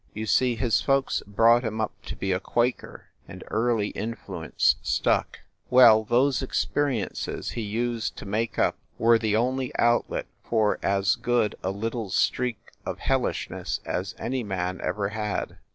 You see, his folks brought him up to be a Quaker, and early in fluence stuck. Well, those experiences he used to make up were the only outlet for as good a little streak of hellish ness as any man ever had.